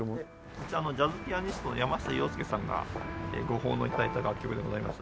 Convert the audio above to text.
こちらジャズピアニストの山下洋輔さんがご奉納頂いた楽曲でございます。